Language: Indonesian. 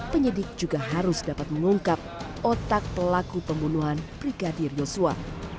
penyidik juga harus dapat mengungkap otak pelaku pembunuhan brigadir yosua